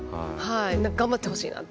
頑張ってほしいなと。